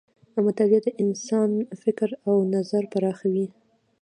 مطالعه د انسان فکر او نظر پراخوي.